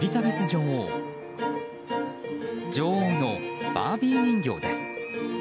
女王のバービー人形です。